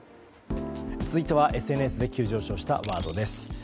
続いてはＳＮＳで急上昇したワードです。